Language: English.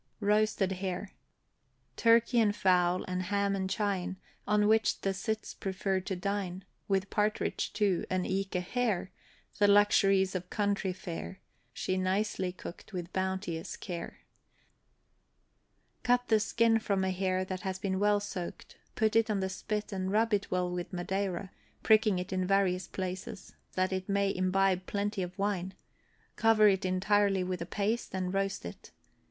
ROASTED HARE. Turkey and fowl, and ham and chine, On which the cits prefer to dine, With partridge, too, and eke a Hare, The luxuries of country fare, She nicely cooked with bounteous care. Cut the skin from a hare that has been well soaked, put it on the spit, and rub it well with Madeira, pricking it in various places that it may imbibe plenty of wine; cover it entirely with a paste, and roast it.